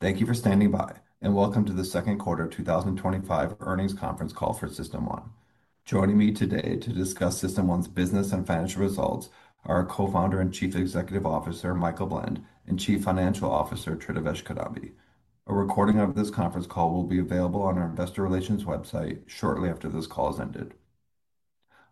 Thank you for standing by and Welcome to the Second Quarter 2025 Earnings Conference Call for System1. Joining me today to discuss System1's business and financial results are our Co-Founder and Chief Executive Officer, Michael Blend, and Chief Financial Officer, Tridivesh Kidambi. A recording of this conference call will be available on our investor relations website shortly after this call is ended.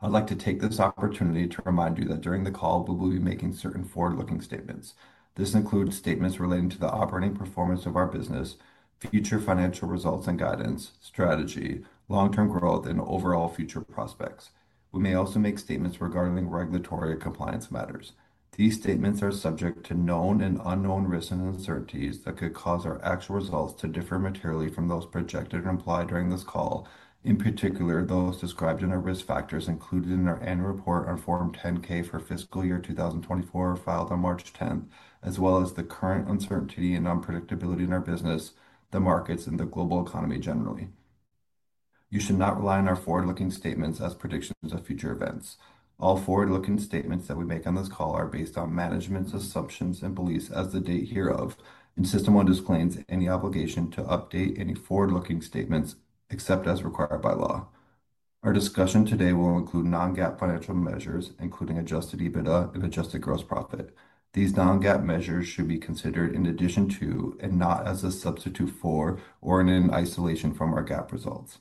I'd like to take this opportunity to remind you that during the call, we will be making certain forward-looking statements. This includes statements relating to the operating performance of our business, future financial results and guidance, strategy, long-term growth, and overall future prospects. We may also make statements regarding regulatory and compliance matters. These statements are subject to known and unknown risks and uncertainties that could cause our actual results to differ materially from those projected and implied during this call. In particular, those described in our risk factors included in our annual report on Form 10-K for fiscal year 2024 filed on March 10, as well as the current uncertainty and unpredictability in our business, the markets, and the global economy generally. You should not rely on our forward-looking statements as predictions of future events. All forward-looking statements that we make on this call are based on management's assumptions and beliefs as of the date hereof, and System1 disclaims any obligation to update any forward-looking statements except as required by law. Our discussion today will include non-GAAP financial measures, including adjusted EBITDA and adjusted gross profit. These non-GAAP measures should be considered in addition to and not as a substitute for or in isolation from our GAAP results.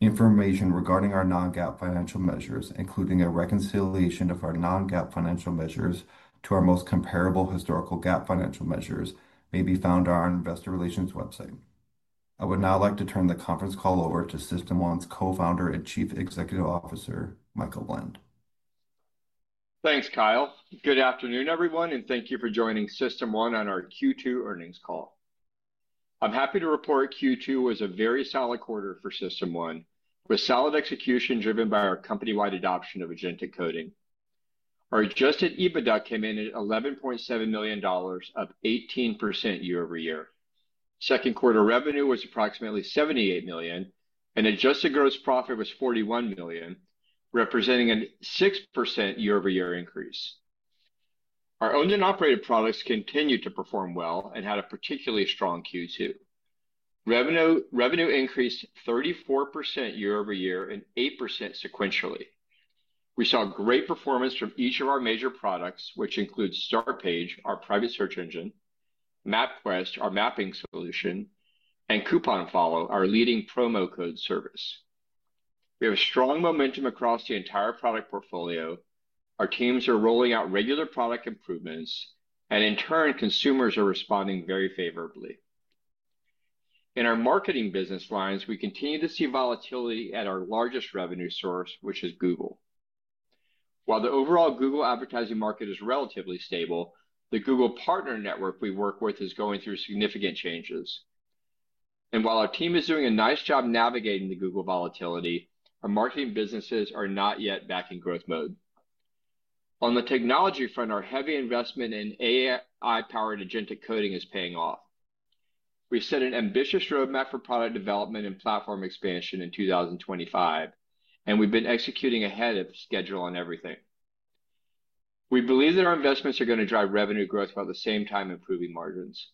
Information regarding our non-GAAP financial measures, including a reconciliation of our non-GAAP financial measures to our most comparable historical GAAP financial measures, may be found on our investor relations website. I would now like to turn the conference call over to System1's Co-Founder and Chief Executive Officer, Michael Blend. Thanks, Kyle. Good afternoon, everyone, and thank you for joining System1 on our Q2 earnings call. I'm happy to report Q2 was a very solid quarter for System1, with solid execution driven by our company-wide adoption of agentic coding. Our adjusted EBITDA came in at $11.7 million, up 18% year-over-year. Second quarter revenue was approximately $78 million, and adjusted gross profit was $41 million, representing a 6% year-over-year increase. Our owned and operated products continued to perform well and had a particularly strong Q2. Revenue increased 34% year-over-year and 8% sequentially. We saw great performance from each of our major products, which includes Startpage, our private search engine, MapQuest, our mapping solution, and CouponFollow, our leading promo code service. We have strong momentum across the entire product portfolio. Our teams are rolling out regular product improvements, and in turn, consumers are responding very favorably. In our marketing business lines, we continue to see volatility at our largest revenue source, which is Google. While the overall Google advertising market is relatively stable, the Google Partner Network we work with is going through significant changes. While our team is doing a nice job navigating the Google volatility, our marketing businesses are not yet back in growth mode. On the technology front, our heavy investment in AI-powered agentic coding is paying off. We set an ambitious roadmap for product development and platform expansion in 2025, and we've been executing ahead of schedule on everything. We believe that our investments are going to drive revenue growth while at the same time improving margins.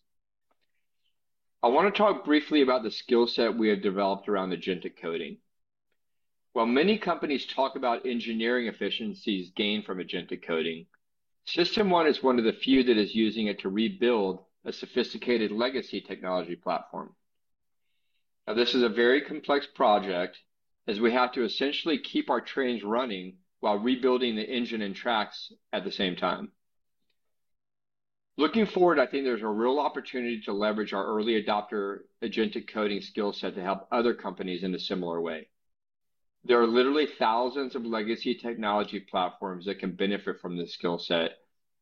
I want to talk briefly about the skill set we have developed around agentic coding. While many companies talk about engineering efficiencies gained from agentic coding, System1 is one of the few that is using it to rebuild a sophisticated legacy technology platform. This is a very complex project, as we have to essentially keep our trains running while rebuilding the engine and tracks at the same time. Looking forward, I think there's a real opportunity to leverage our early adopter agentic coding skill set to help other companies in a similar way. There are literally thousands of legacy technology platforms that can benefit from this skill set,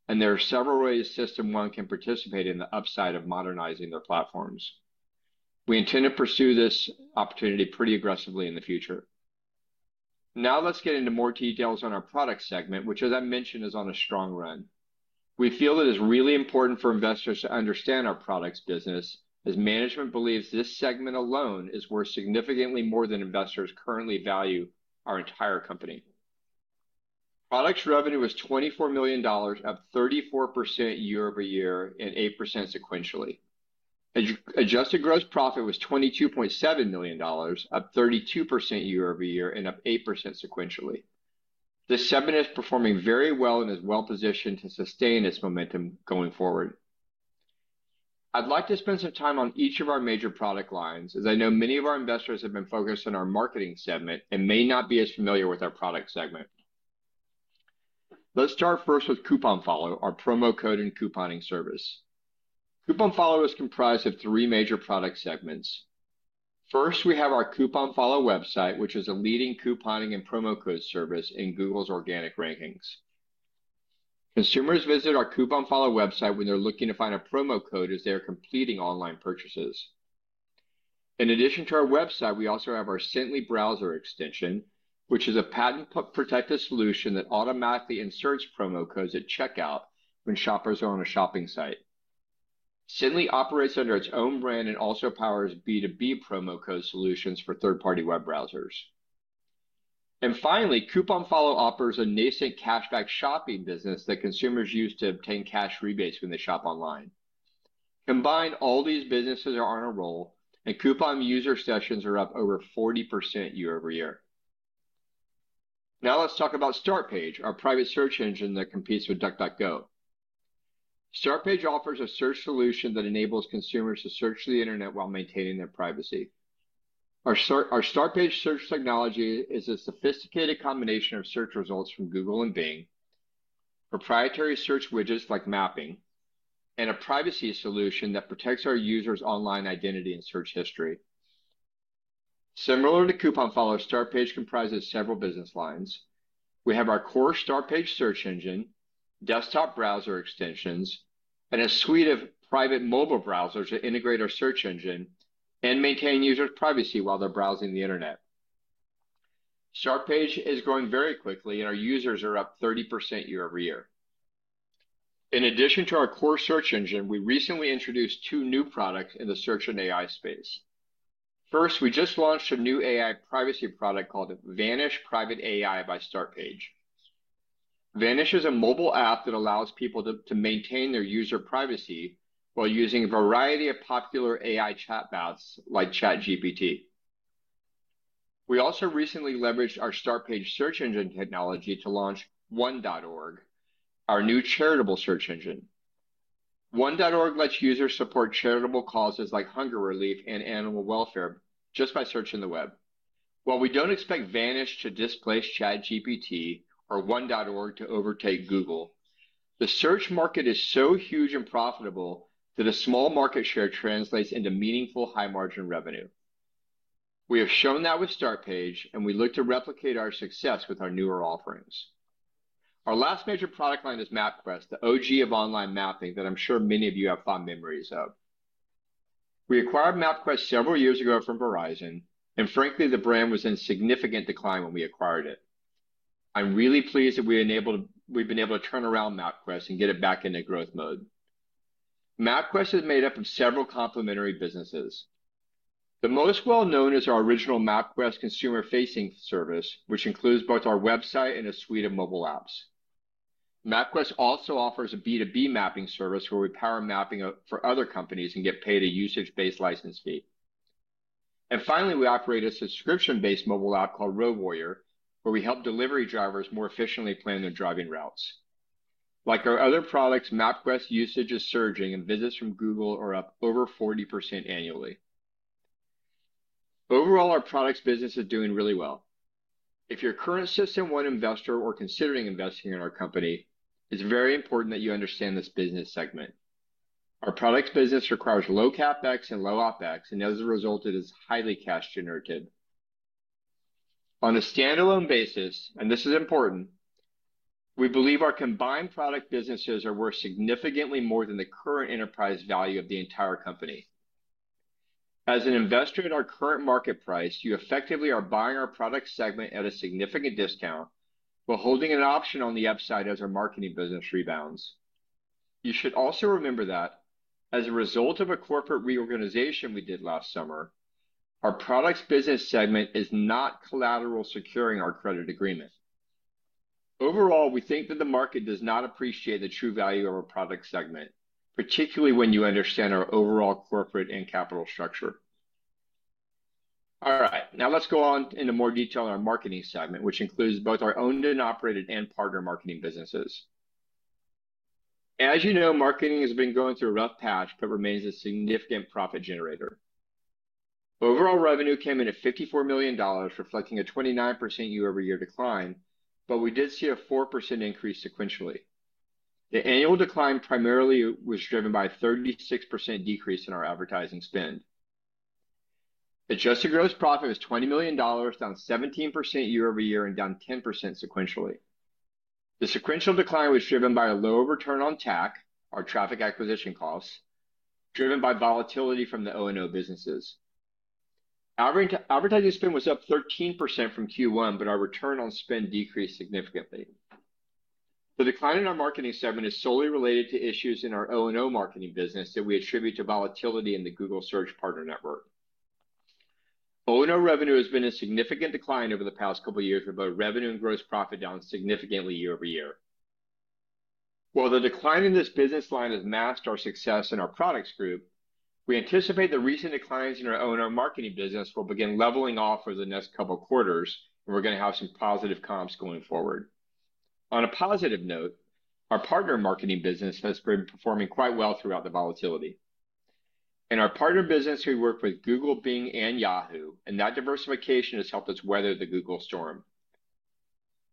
and there are several ways System1 can participate in the upside of modernizing their platforms. We intend to pursue this opportunity pretty aggressively in the future. Now, let's get into more details on our product segment, which, as I mentioned, is on a strong run. We feel that it's really important for investors to understand our product's business, as management believes this segment alone is worth significantly more than investors currently value our entire company. Product's revenue was $24 million, up 34% year-over-year and 8% sequentially. Adjusted gross profit was $22.7 million, up 32% year-over-year and up 8% sequentially. This segment is performing very well and is well positioned to sustain its momentum going forward. I'd like to spend some time on each of our major product lines, as I know many of our investors have been focused on our marketing segment and may not be as familiar with our product segment. Let's start first with CouponFollow, our promo code and couponing service. CouponFollow is comprised of three major product segments. First, we have our CouponFollow website, which is a leading couponing and promo code service in Google's organic rankings. Consumers visit our CouponFollow website when they're looking to find a promo code as they are completing online purchases. In addition to our website, we also have our Cently browser extension, which is a patent-protected solution that automatically inserts promo codes at checkout when shoppers are on a shopping site. Cently operates under its own brand and also powers B2B promo code solutions for third-party web browsers. Finally, CouponFollow offers a nascent cashback shopping business that consumers use to obtain cash rebates when they shop online. Combined, all these businesses are on a roll, and Coupon user sessions are up over 40% year-over-year. Now, let's talk about Startpage, our private search engine that competes with DuckDuckGo. Startpage offers a search solution that enables consumers to search the internet while maintaining their privacy. Our Startpage search technology is a sophisticated combination of search results from Google and Bing, proprietary search widgets like mapping, and a privacy solution that protects our users' online identity and search history. Similar to CouponFollow, Startpage comprises several business lines. We have our core Startpage search engine, desktop browser extensions, and a suite of private mobile browsers that integrate our search engine and maintain users' privacy while they're browsing the internet. Startpage is growing very quickly, and our users are up 30% year-over-year. In addition to our core search engine, we recently introduced two new products in the search and AI space. First, we just launched a new AI privacy product called Vanish Private AI by Startpage. Vanish is a mobile app that allows people to maintain their user privacy while using a variety of popular AI chatbots like ChatGPT. We also recently leveraged our Startpage search engine technology to launch ONE.org, our new charitable search engine. ONE.org lets users support charitable causes like hunger relief and animal welfare just by searching the web. While we don't expect Vanish to displace ChatGPT or ONE.org to overtake Google, the search market is so huge and profitable that a small market share translates into meaningful high-margin revenue. We have shown that with Startpage, and we look to replicate our success with our newer offerings. Our last major product line is MapQuest, the OG of online mapping that I'm sure many of you have fond memories of. We acquired MapQuest several years ago from Verizon, and frankly, the brand was in significant decline when we acquired it. I'm really pleased that we've been able to turn around MapQuest and get it back into growth mode. MapQuest is made up of several complementary businesses. The most well-known is our original MapQuest consumer-facing service, which includes both our website and a suite of mobile apps. MapQuest also offers a B2B mapping service where we power mapping for other companies and get paid a usage-based license fee. Finally, we operate a subscription-based mobile app called RoadWarrior, where we help delivery drivers more efficiently plan their driving routes. Like our other products, MapQuest's usage is surging, and visits from Google are up over 40% annually. Overall, our products business is doing really well. If you're a current System1 investor or considering investing in our company, it's very important that you understand this business segment. Our products business requires low CapEx and low OpEx, and as a result, it is highly cash-generative. On a standalone basis, and this is important, we believe our combined product businesses are worth significantly more than the current enterprise value of the entire company. As an investor in our current market price, you effectively are buying our product segment at a significant discount while holding an option on the upside as our marketing business rebounds. You should also remember that as a result of a corporate reorganization we did last summer, our products business segment is not collateral securing our credit agreement. Overall, we think that the market does not appreciate the true value of our product segment, particularly when you understand our overall corporate and capital structure. All right, now let's go on into more detail on our marketing segment, which includes both our owned and operated and partner marketing businesses. As you know, marketing has been going through a rough patch but remains a significant profit generator. Overall revenue came in at $54 million, reflecting a 29% year-over-year decline, but we did see a 4% increase sequentially. The annual decline primarily was driven by a 36% decrease in our advertising spend. Adjusted gross profit was $20 million, down 17% year-over-year and down 10% sequentially. The sequential decline was driven by a low return on TAC, our traffic acquisition costs, driven by volatility from the O&O businesses. Our advertising spend was up 13% from Q1, but our return on spend decreased significantly. The decline in our marketing segment is solely related to issues in our O&O marketing business that we attribute to volatility in the Google Search Partner Network. O&O revenue has been in significant decline over the past couple of years, with both revenue and gross profit down significantly year-over-year. While the decline in this business line has masked our success in our products group, we anticipate the recent declines in our O&O marketing business will begin leveling off over the next couple of quarters, and we're going to have some positive comps going forward. On a positive note, our partner marketing business has been performing quite well throughout the volatility. In our partner business, we work with Google, Bing, and Yahoo, and that diversification has helped us weather the Google storm.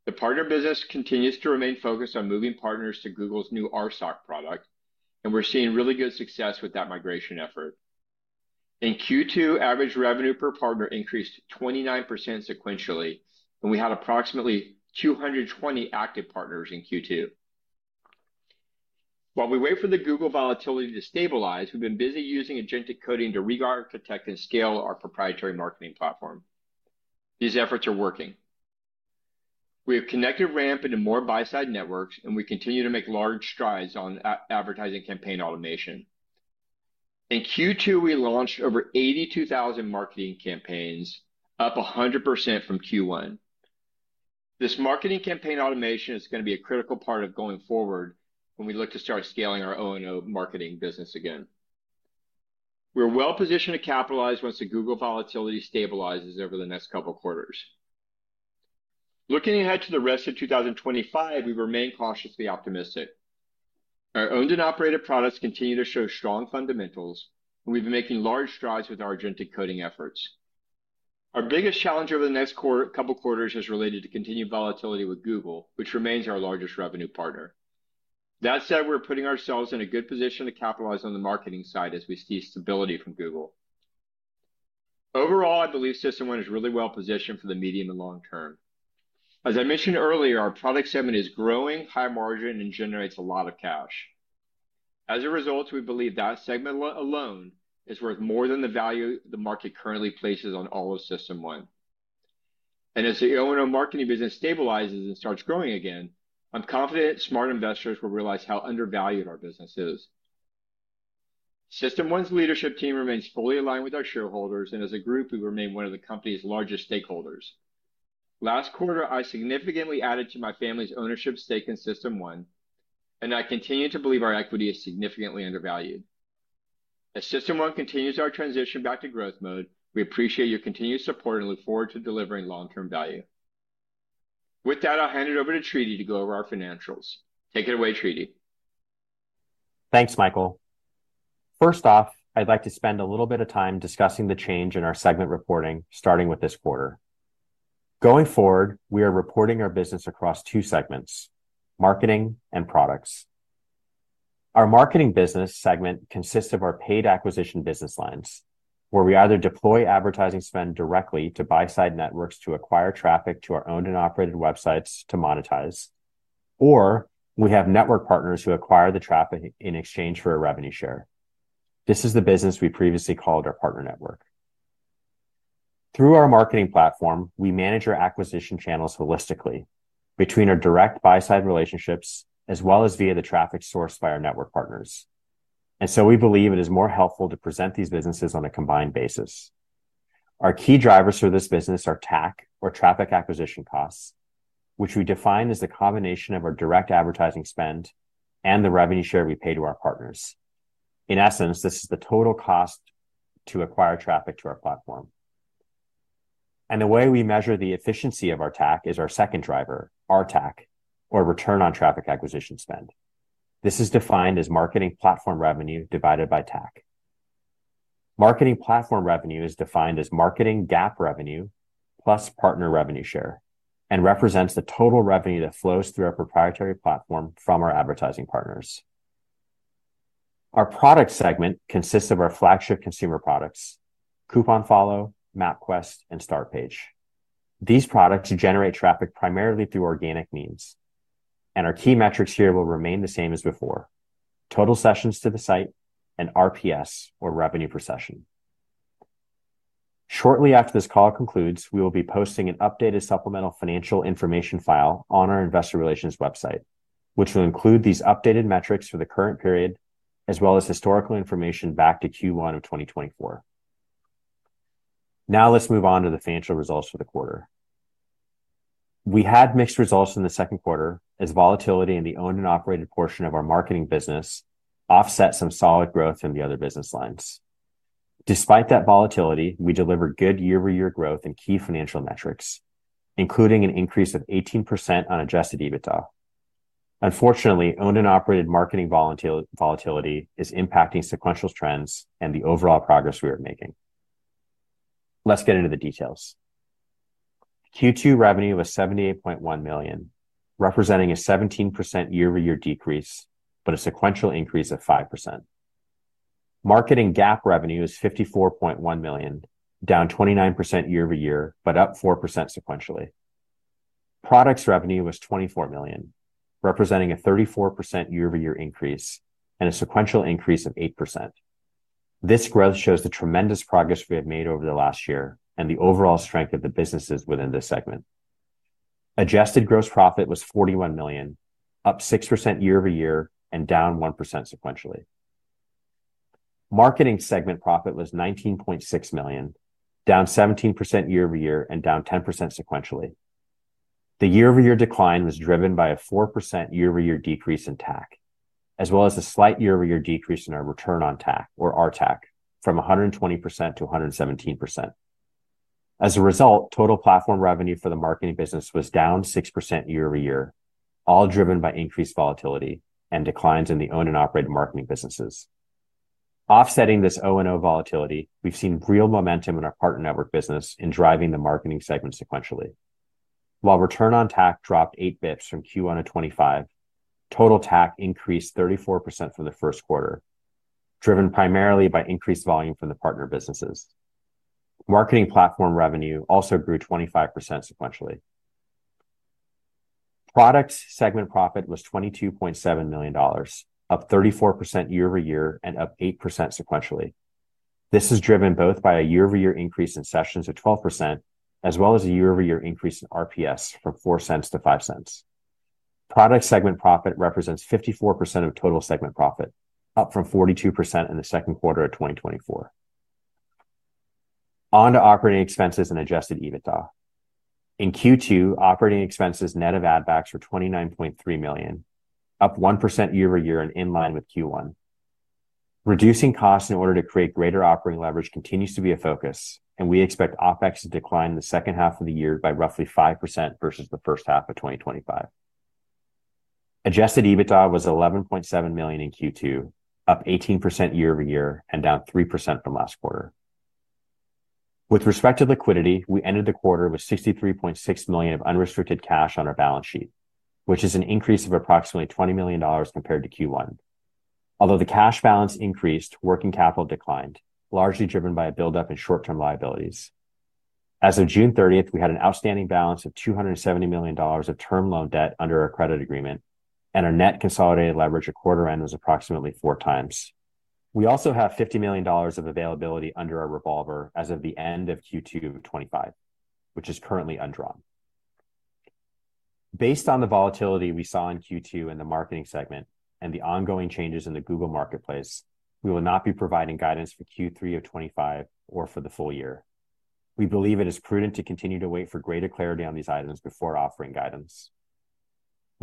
The partner business continues to remain focused on moving partners to Google's new RSOC product, and we're seeing really good success with that migration effort. In Q2, average revenue per partner increased 29% sequentially, and we had approximately 220 active partners in Q2. While we wait for the Google volatility to stabilize, we've been busy using agentic coding to re-architect and scale our proprietary marketing platform. These efforts are working. We have connected RAMP into more buy-side networks, and we continue to make large strides on advertising campaign automation. In Q2, we launched over 82,000 marketing campaigns, up 100% from Q1. This marketing campaign automation is going to be a critical part of going forward when we look to start scaling our O&O marketing business again. We're well positioned to capitalize once the Google volatility stabilizes over the next couple of quarters. Looking ahead to the rest of 2025, we remain cautiously optimistic. Our owned and operated products continue to show strong fundamentals, and we've been making large strides with our agentic coding efforts. Our biggest challenge over the next couple of quarters is related to continued volatility with Google, which remains our largest revenue partner. That said, we're putting ourselves in a good position to capitalize on the marketing side as we see stability from Google. Overall, I believe System1 is really well positioned for the medium and long term. As I mentioned earlier, our product segment is growing, high margin, and generates a lot of cash. As a result, we believe that segment alone is worth more than the value the market currently places on all of System1. As the O&O marketing business stabilizes and starts growing again, I'm confident smart investors will realize how undervalued our business is. System1's leadership team remains fully aligned with our shareholders, and as a group, we remain one of the company's largest stakeholders. Last quarter, I significantly added to my family's ownership stake in System1, and I continue to believe our equity is significantly undervalued. As System1 continues our transition back to growth mode, we appreciate your continued support and look forward to delivering long-term value. With that, I'll hand it over to Tridi to go over our financials. Take it away, Tridi. Thanks, Michael. First off, I'd like to spend a little bit of time discussing the change in our segment reporting, starting with this quarter. Going forward, we are reporting our business across two segments: marketing and products. Our marketing business segment consists of our paid acquisition business lines, where we either deploy advertising spend directly to buy-side networks to acquire traffic to our owned and operated websites to monetize, or we have network partners who acquire the traffic in exchange for a revenue share. This is the business we previously called our partner network. Through our marketing platform, we manage our acquisition channels holistically between our direct buy-side relationships as well as via the traffic sourced by our network partners. We believe it is more helpful to present these businesses on a combined basis. Our key drivers for this business are TAC, or traffic acquisition costs, which we define as the combination of our direct advertising spend and the revenue share we pay to our partners. In essence, this is the total cost to acquire traffic to our platform. The way we measure the efficiency of our TAC is our second driver, RTAC, or return on traffic acquisition spend. This is defined as marketing platform revenue divided by TAC. Marketing platform revenue is defined as marketing GAAP revenue plus partner revenue share and represents the total revenue that flows through our proprietary platform from our advertising partners. Our product segment consists of our flagship consumer products: CouponFollow, MapQuest, and Startpage. These products generate traffic primarily through organic means, and our key metrics here will remain the same as before: total sessions to the site and RPS, or revenue per session. Shortly after this call concludes, we will be posting an updated supplemental financial information file on our investor relations website, which will include these updated metrics for the current period, as well as historical information back to Q1 of 2024. Now let's move on to the financial results for the quarter. We had mixed results in the second quarter, as volatility in the owned and operated portion of our marketing business offset some solid growth in the other business lines. Despite that volatility, we delivered good year-over-year growth in key financial metrics, including an increase of 18% on adjusted EBITDA. Unfortunately, owned and operated marketing volatility is impacting sequential trends and the overall progress we are making. Let's get into the details. Q2 revenue was $78.1 million, representing a 17% year-over-year decrease, but a sequential increase of 5%. Marketing GAAP revenue was $54.1 million, down 29% year-over-year, but up 4% sequentially. Products revenue was $24 million, representing a 34% year-over-year increase and a sequential increase of 8%. This growth shows the tremendous progress we have made over the last year and the overall strength of the businesses within this segment. Adjusted gross profit was $41 million, up 6% year-over-year and down 1% sequentially. Marketing segment profit was $19.6 million, down 17% year-over-year and down 10% sequentially. The year-over-year decline was driven by a 4% year-over-year decrease in TAC, as well as a slight year-over-year decrease in our return on TAC, or RTAC, from 120% to 117%. As a result, total platform revenue for the marketing business was down 6% year-over-year, all driven by increased volatility and declines in the owned and operated marketing businesses. Offsetting this O&O volatility, we've seen real momentum in our partner network business in driving the marketing segment sequentially. While return on TAC dropped 8 basis points from Q1 to Q2, total TAC increased 34% from the first quarter, driven primarily by increased volume from the partner businesses. Marketing platform revenue also grew 25% sequentially. Products segment profit was $22.7 million, up 34% year-over-year and up 8% sequentially. This is driven both by a year-over-year increase in sessions of 12%, as well as a year-over-year increase in RPS from $0.04 to $0.05. Product segment profit represents 54% of total segment profit, up from 42% in the second quarter of 2024. On to operating expenses and adjusted EBITDA. In Q2, operating expenses net of adbacks were $29.3 million, up 1% year-over-year and in line with Q1. Reducing costs in order to create greater operating leverage continues to be a focus, and we expect OpEx to decline in the second half of the year by roughly 5% versus the first half of 2024. Adjusted EBITDA was $11.7 million in Q2, up 18% year-over-year and down 3% from last quarter. With respect to liquidity, we ended the quarter with $63.6 million of unrestricted cash on our balance sheet, which is an increase of approximately $20 million compared to Q1. Although the cash balance increased, working capital declined, largely driven by a buildup in short-term liabilities. As of June 30, we had an outstanding balance of $270 million of term loan debt under our credit agreement, and our net consolidated leverage at quarter end was approximately four times. We also have $50 million of availability under our revolver as of the end of Q2 2025, which is currently undrawn. Based on the volatility we saw in Q2 in the marketing segment and the ongoing changes in the Google marketplace, we will not be providing guidance for Q3 2025 or for the full year. We believe it is prudent to continue to wait for greater clarity on these items before offering guidance.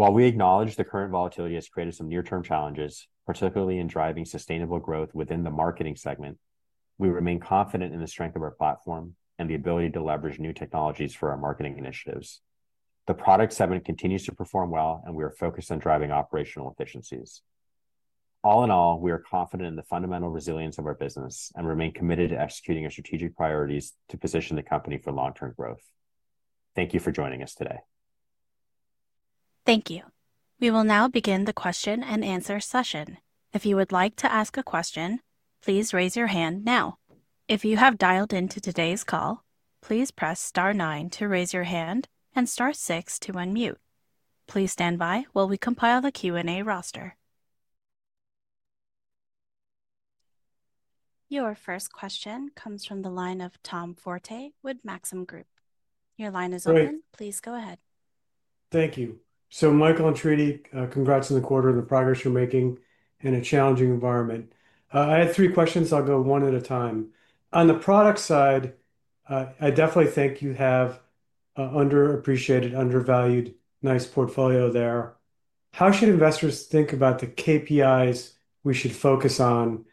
While we acknowledge the current volatility has created some near-term challenges, particularly in driving sustainable growth within the marketing segment, we remain confident in the strength of our platform and the ability to leverage new technologies for our marketing initiatives. The product segment continues to perform well, and we are focused on driving operational efficiencies. All in all, we are confident in the fundamental resilience of our business and remain committed to executing our strategic priorities to position the company for long-term growth. Thank you for joining us today. Thank you. We will now begin the question and answer session. If you would like to ask a question, please raise your hand now. If you have dialed into today's call, please press star nine to raise your hand and star six to unmute. Please stand by while we compile the Q&A roster. Your first question comes from the line of Tom Forte with Maxim Group. Your line is open. Please go ahead. Thank you. Michael and Tridivesh, congrats on the quarter and the progress you're making in a challenging environment. I had three questions. I'll go one at a time. On the product side, I definitely think you have an underappreciated, undervalued, nice portfolio there. How should investors think about the KPIs we should focus on,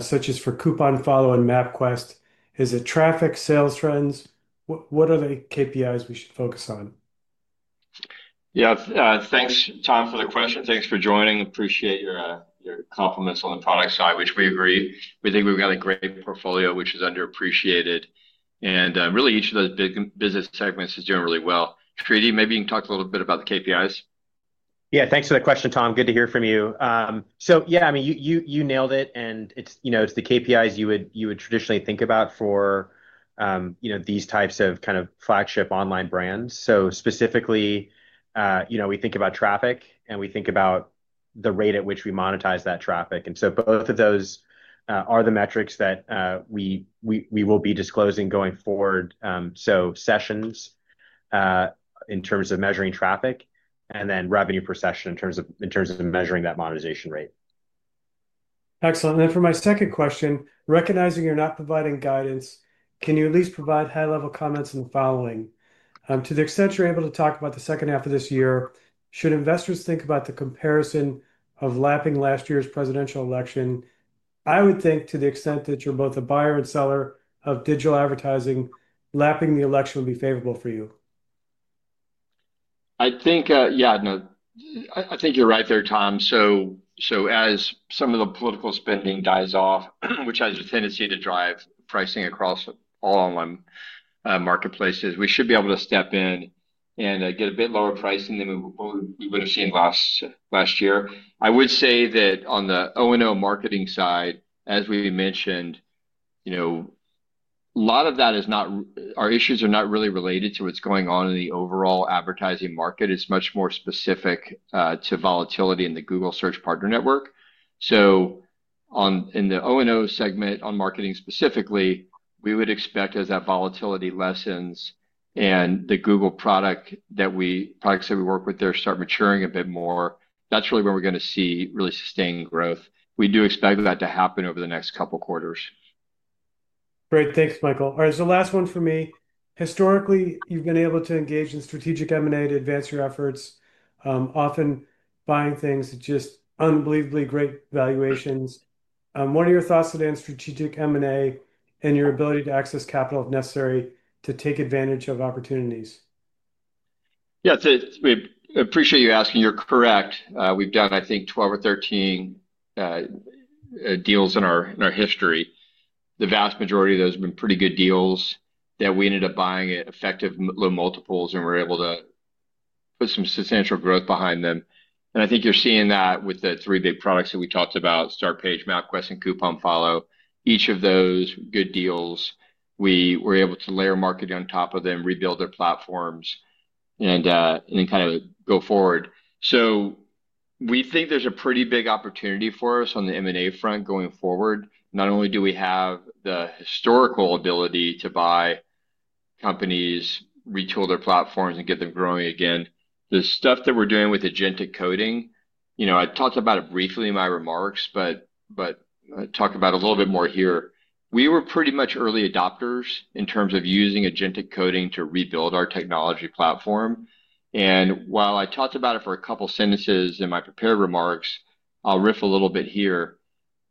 such as for CouponFollow and MapQuest? Is it traffic, sales trends? What are the KPIs we should focus on? Yeah, thanks, Tom, for the question. Thanks for joining. Appreciate your compliments on the product side, which we agree. We think we've got a great portfolio, which is underappreciated. Really, each of those business segments is doing really well. Tridi, maybe you can talk a little bit about the KPIs. Yeah, thanks for the question, Tom. Good to hear from you. You nailed it. It's the KPIs you would traditionally think about for these types of flagship online brands. Specifically, we think about traffic, and we think about the rate at which we monetize that traffic. Both of those are the metrics that we will be disclosing going forward. Sessions in terms of measuring traffic and then revenue per session in terms of measuring that monetization rate. Excellent. For my second question, recognizing you're not providing guidance, can you at least provide high-level comments in the following? To the extent you're able to talk about the second half of this year, should investors think about the comparison of lapping last year's presidential election? I would think to the extent that you're both a buyer and seller of digital advertising, lapping the election would be favorable for you. I think you're right there, Tom. As some of the political spending dies off, which has a tendency to drive pricing across all online marketplaces, we should be able to step in and get a bit lower pricing than what you would have seen last year. I would say that on the O&O marketing side, as we mentioned, a lot of that is not, our issues are not really related to what's going on in the overall advertising market. It's much more specific to volatility in the Google Search Partner Network. In the O&O segment on marketing specifically, we would expect as that volatility lessens and the Google products that we work with there start maturing a bit more, that's really where we're going to see really sustained growth. We do expect that to happen over the next couple of quarters. Great. Thanks, Michael. All right, last one for me. Historically, you've been able to engage in strategic M&A to advance your efforts, often buying things at just unbelievably great valuations. What are your thoughts today on strategic M&A and your ability to access capital if necessary to take advantage of opportunities? Yeah, so I appreciate you asking. You're correct. We've done, I think, 12 or 13 deals in our history. The vast majority of those have been pretty good deals that we ended up buying at effective low multiples and were able to put some substantial growth behind them. I think you're seeing that with the three big products that we talked about: Startpage, MapQuest, and CouponFollow. Each of those were good deals. We were able to layer marketing on top of them, rebuild their platforms, and kind of go forward. We think there's a pretty big opportunity for us on the M&A front going forward. Not only do we have the historical ability to buy companies, retool their platforms, and get them growing again, the stuff that we're doing with agentic coding, you know, I talked about it briefly in my remarks, but I'll talk about it a little bit more here. We were pretty much early adopters in terms of using agentic coding to rebuild our technology platform. While I talked about it for a couple of sentences in my prepared remarks, I'll riff a little bit here.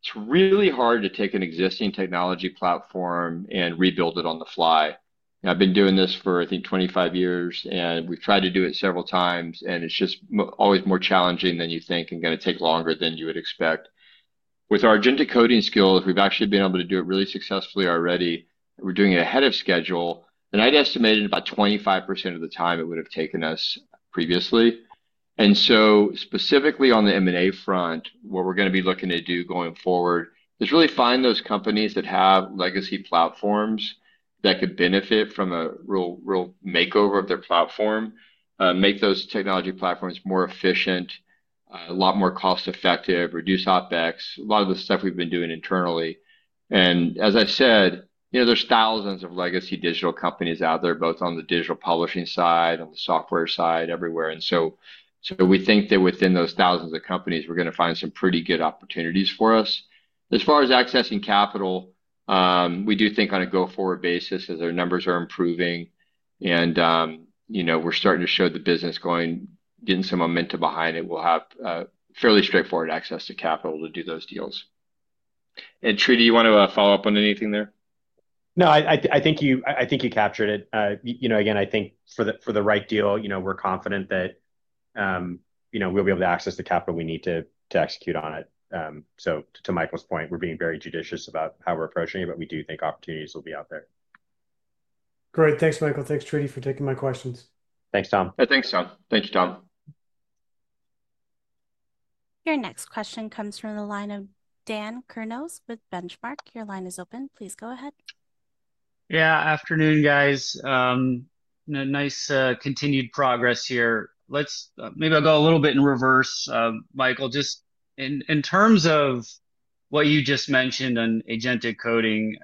It's really hard to take an existing technology platform and rebuild it on the fly. I've been doing this for, I think, 25 years, and we've tried to do it several times, and it's just always more challenging than you think and going to take longer than you would expect. With our agentic coding skills, we've actually been able to do it really successfully already. We're doing it ahead of schedule, and I'd estimate about 25% of the time it would have taken us previously. Specifically on the M&A front, what we're going to be looking to do going forward is really find those companies that have legacy platforms that could benefit from a real makeover of their platform, make those technology platforms more efficient, a lot more cost-effective, reduce OpEx, a lot of the stuff we've been doing internally. As I said, there's thousands of legacy digital companies out there, both on the digital publishing side and the software side everywhere. We think that within those thousands of companies, we're going to find some pretty good opportunities for us. As far as accessing capital, we do think on a go-forward basis, as our numbers are improving and, you know, we're starting to show the business going, getting some momentum behind it, we'll have fairly straightforward access to capital to do those deals. Tridi, you want to follow up on anything there? I think you captured it. I think for the right deal, we're confident that we'll be able to access the capital we need to execute on it. To Michael's point, we're being very judicious about how we're approaching it, but we do think opportunities will be out there. Great. Thanks, Michael. Thanks, Tridi, for taking my questions. Thanks, Tom. Yeah, thanks, Tom. Your next question comes from the line of Dan Kurnos with Benchmark. Your line is open. Please go ahead. Yeah, afternoon, guys. Nice continued progress here. Maybe I'll go a little bit in reverse, Michael. Just in terms of what you just mentioned on agentic coding,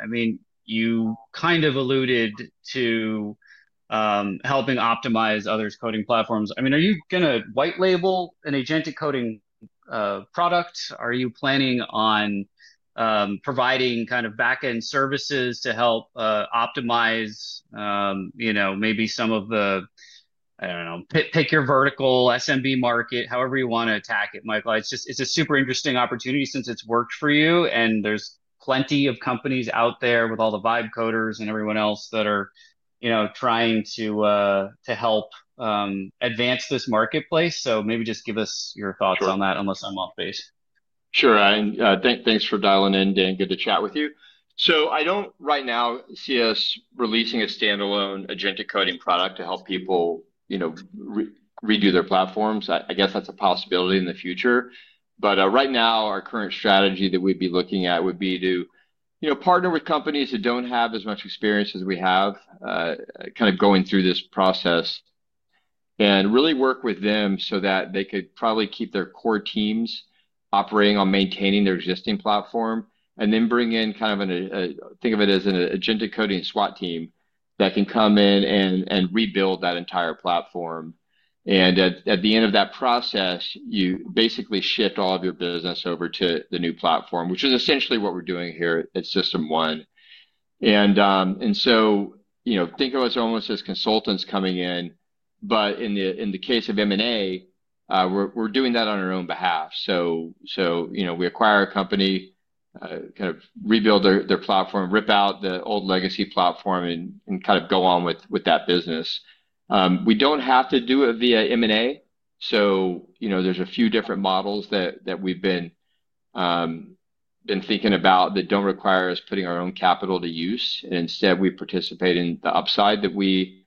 you kind of alluded to helping optimize others' coding platforms. Are you going to white label an agentic coding product? Are you planning on providing kind of backend services to help optimize, you know, maybe some of the, I don't know, pick your vertical SMB market, however you want to attack it, Michael? It's just, it's a super interesting opportunity since it's worked for you, and there's plenty of companies out there with all the Vibe coders and everyone else that are trying to help advance this marketplace. Maybe just give us your thoughts on that unless I'm off base. Sure. Thanks for dialing in, Dan. Good to chat with you. I don't right now see us releasing a standalone agentic coding product to help people, you know, redo their platforms. I guess that's a possibility in the future. Right now, our current strategy that we'd be looking at would be to, you know, partner with companies that don't have as much experience as we have, kind of going through this process and really work with them so that they could probably keep their core teams operating on maintaining their existing platform and then bring in kind of a, think of it as an agentic coding SWAT team that can come in and rebuild that entire platform. At the end of that process, you basically shift all of your business over to the new platform, which is essentially what we're doing here at System1. Think of us almost as consultants coming in. In the case of M&A, we're doing that on our own behalf. We acquire a company, kind of rebuild their platform, rip out the old legacy platform, and kind of go on with that business. We don't have to do it via M&A. There are a few different models that we've been thinking about that don't require us putting our own capital to use. Instead, we participate in the upside that we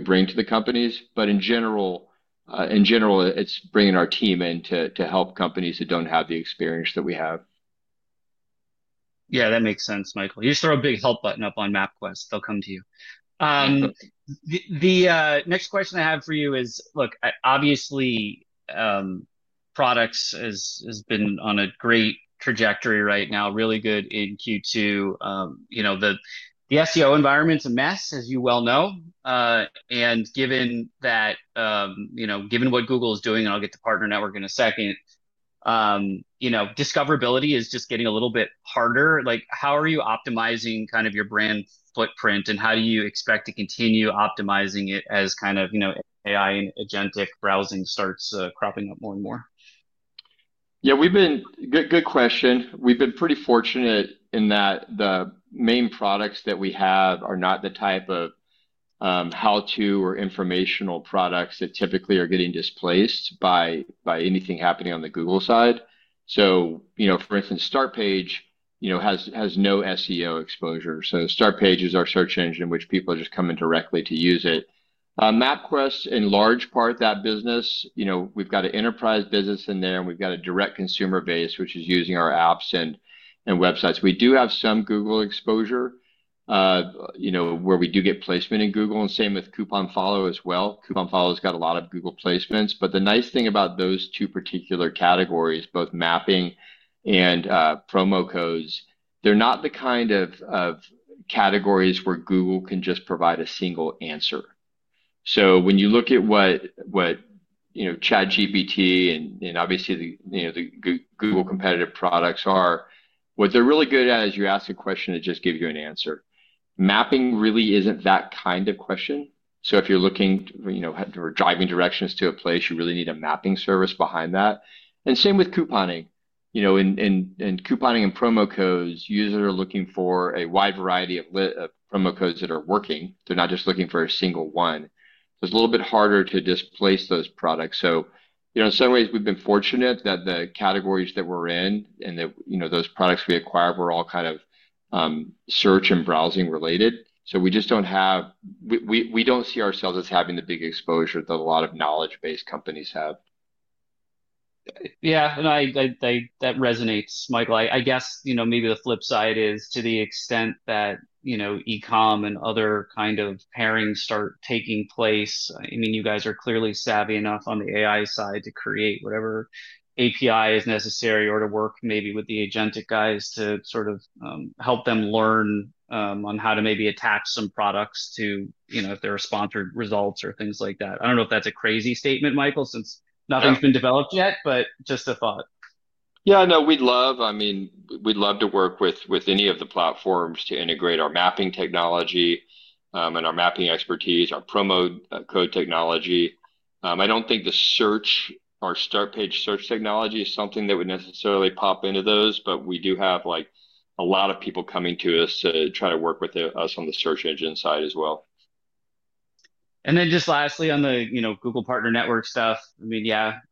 bring to the companies. In general, it's bringing our team in to help companies that don't have the experience that we have. Yeah, that makes sense, Michael. You just throw a big help button up on MapQuest. They'll come to you. The next question I have for you is, look, obviously, products have been on a great trajectory right now, really good in Q2. You know, the SEO environment's a mess, as you well know. Given what Google is doing, and I'll get to the partner network in a second, discoverability is just getting a little bit harder. How are you optimizing kind of your brand footprint, and how do you expect to continue optimizing it as kind of, you know, AI and agentic browsing starts cropping up more and more? Yeah, good question. We've been pretty fortunate in that the main products that we have are not the type of how-to or informational products that typically are getting displaced by anything happening on the Google side. For instance, Startpage has no SEO exposure. Startpage is our search engine in which people are just coming directly to use it. MapQuest, in large part, that business, we've got an enterprise business in there, and we've got a direct consumer base, which is using our apps and websites. We do have some Google exposure, where we do get placement in Google, and same with CouponFollow as well. CouponFollow's got a lot of Google placements. The nice thing about those two particular categories, both mapping and promo codes, they're not the kind of categories where Google can just provide a single answer. When you look at what ChatGPT and obviously the Google competitive products are, what they're really good at is you ask a question and it just gives you an answer. Mapping really isn't that kind of question. If you're looking or driving directions to a place, you really need a mapping service behind that. Same with couponing. In couponing and promo codes, users are looking for a wide variety of promo codes that are working. They're not just looking for a single one. It's a little bit harder to displace those products. In some ways, we've been fortunate that the categories that we're in and that those products we acquire were all kind of search and browsing related. We just don't have, we don't see ourselves as having the big exposure that a lot of knowledge-based companies have. Yeah, I think that resonates, Michael. I guess, maybe the flip side is to the extent that e-comm and other kind of pairings start taking place. You guys are clearly savvy enough on the AI side to create whatever API is necessary or to work maybe with the agentic guys to help them learn on how to maybe attach some products to, if they're sponsored results or things like that. I don't know if that's a crazy statement, Michael, since nothing's been developed yet, but just a thought. Yeah, no, we'd love, I mean, we'd love to work with any of the platforms to integrate our mapping technology and our mapping expertise, our promo code technology. I don't think the search, our Startpage search technology is something that would necessarily pop into those, but we do have a lot of people coming to us to try to work with us on the search engine side as well. Lastly, on the Google Partner Network stuff,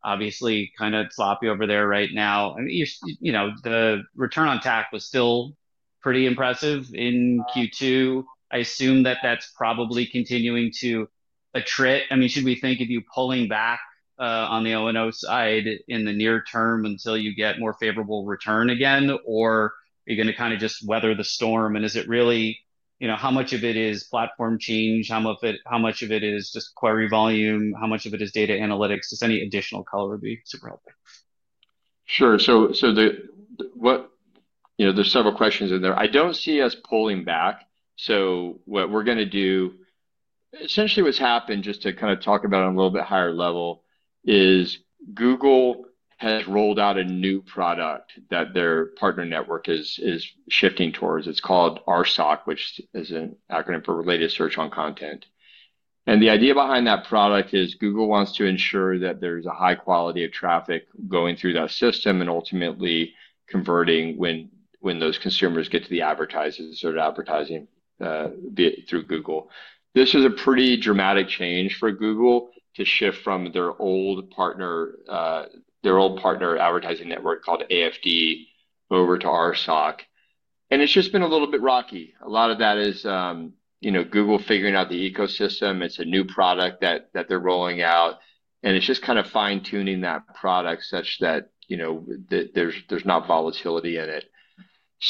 obviously kind of sloppy over there right now. The return on TAC was still pretty impressive in Q2. I assume that that's probably continuing to attrit. Should we think of you pulling back on the O&O side in the near term until you get more favorable return again, or are you going to just weather the storm? Is it really, how much of it is platform change, how much of it is just query volume, how much of it is data analytics? Any additional color would be super helpful. Sure. There are several questions in there. I don't see us pulling back. What we're going to do, essentially what's happened, just to talk about it on a little bit higher level, is Google has rolled out a new product that their partner network is shifting towards. It's called RSOC, which is an acronym for Related Search on Content. The idea behind that product is Google wants to ensure that there's a high quality of traffic going through that system and ultimately converting when those consumers get to the advertisers instead of advertising through Google. This is a pretty dramatic change for Google to shift from their old partner advertising network called AFD over to RSOC. It's just been a little bit rocky. A lot of that is Google figuring out the ecosystem. It's a new product that they're rolling out. It's just fine-tuning that product such that there's not volatility in it.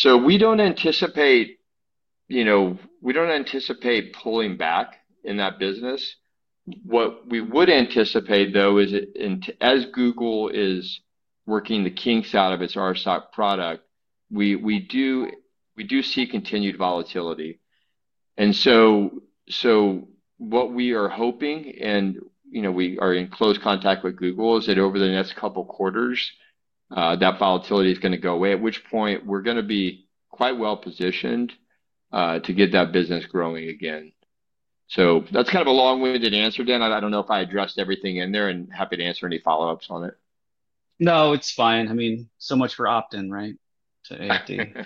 We don't anticipate pulling back in that business. What we would anticipate, though, is as Google is working the kinks out of its RSOC product, we do see continued volatility. What we are hoping, and we are in close contact with Google, is that over the next couple of quarters, that volatility is going to go away, at which point we're going to be quite well positioned to get that business growing again. That's kind of a long-winded answer, Dan. I don't know if I addressed everything in there, and happy to answer any follow-ups on it. No, it's fine. I mean, so much for opt-in, right? Yeah,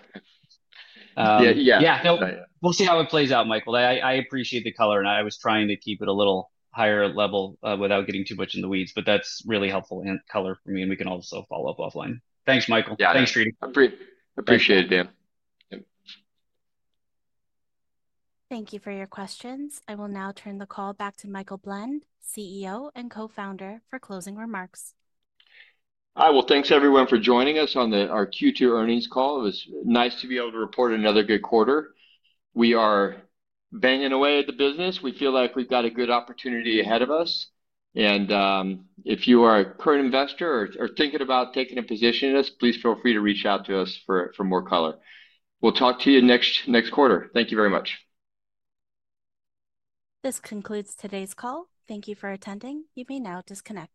yeah, we'll see how it plays out, Michael. I appreciate the color, and I was trying to keep it a little higher level without getting too much in the weeds, but that's really helpful color for me, and we can also follow up offline. Thanks, Michael. Thanks, Tridivesh. I appreciate it, Dan. Thank you for your questions. I will now turn the call back to Michael Blend, CEO and Co-Founder, for closing remarks. All right, thanks everyone for joining us on our Q2 earnings call. It was nice to be able to report another good quarter. We are banging away at the business. We feel like we've got a good opportunity ahead of us. If you are a current investor or thinking about taking a position in this, please feel free to reach out to us for more color. We'll talk to you next quarter. Thank you very much. This concludes today's call. Thank you for attending. You may now disconnect.